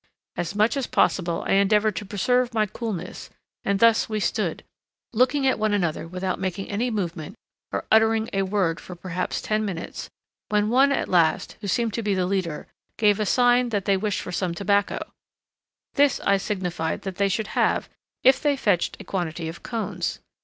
As much as possible I endeavored to preserve my coolness, and thus we stood looking at one another without making any movement or uttering a word for perhaps ten minutes, when one at last, who seemed to be the leader, gave a sign that they wished for some tobacco; this I signified that they should have if they fetched a quantity of cones.